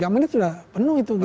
tiga menit sudah penuh itu